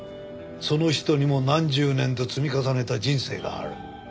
その人にも何十年と積み重ねた人生がある。